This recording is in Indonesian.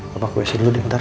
bapak gue isi dulu deh ntar